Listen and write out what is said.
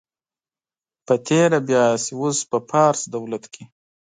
په تېره بیا چې اوس په فارس دولت کې.